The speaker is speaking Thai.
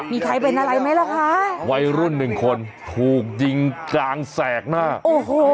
มีใครเป็นอะไรไหมล่ะคะวัยรุ่นหนึ่งคนถูกยิงกลางแสกหน้าโอ้โห